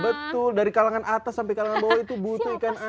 betul dari kalangan atas sampai kalangan bawah itu butuh ikan air